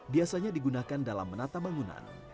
biasanya digunakan dalam menata bangunan